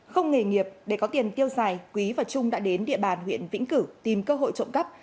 không nghề nghiệp để có tiền tiêu xài quý và trung đã đến địa bàn huyện vĩnh cửu tìm cơ hội trộm cắp